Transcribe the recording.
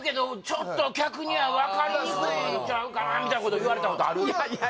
「ちょっと客には分かりにくいんちゃうかな」みたいなこと言われたことあるいやいや